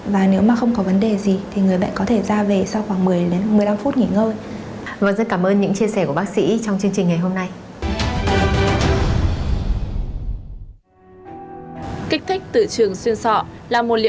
và nếu mà không có vấn đề gì thì người bệnh có thể ra về sau khoảng một mươi đến một mươi năm phút